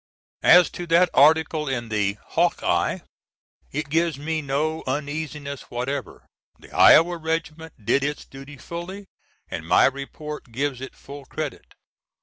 As to that article in the Hawk Eye it gives me no uneasiness whatever. The Iowa regiment did its duty fully, and my report gives it full credit.